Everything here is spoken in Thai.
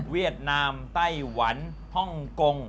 ดนามไต้หวันฮ่องกง